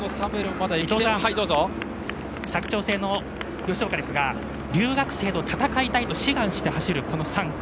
佐久長聖の吉岡ですが留学生と戦いたいと志願して走る、この３区。